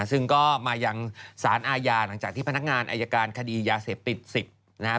ซึ่งก็มายังสารอาญาหลังจากที่พนักงานอายการคดียาเสพติด๑๐นะครับ